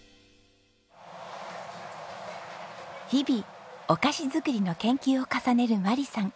日々お菓子作りの研究を重ねる眞理さん。